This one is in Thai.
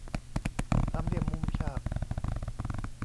สามเหลี่ยมมุมฉาก